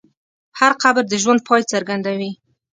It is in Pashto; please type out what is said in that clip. هر قبر د ژوند پای څرګندوي.